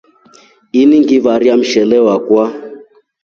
Enengivaria mshele wakwa.